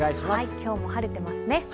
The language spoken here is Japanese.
今日も晴れてますね。